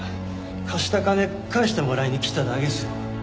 貸した金返してもらいに来ただけですよ。